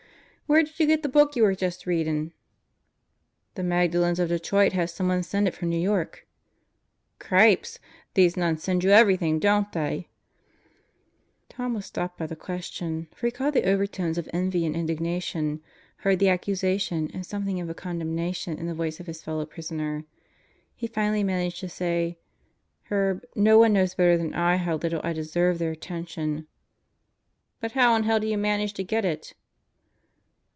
Where did you get the book you were just readin'?" "The Magdalens of Detroit had someone send it from New York." "Gripes 1 These nuns send you everything, don't they?" Tom was stopped by the question; for he caught the overtones of envy and indignation; heard the accusation and something of a condemnation in the voice of his fellow prisoner. He finally managed to say: "Herb, no one knows better than I how little I deserve their attention. ..." "But how in hell do you manage to get it?"